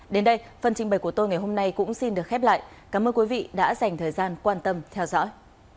đến đây phần trình bày của tôi ngày hôm nay cũng xin được khép lại cảm ơn quý vị đã dành thời gian quan tâm theo dõi